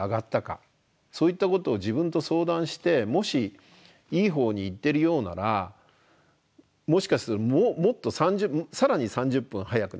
そういったことを自分と相談してもしいいほうにいってるようならもしかするともっと更に３０分早く寝てみる。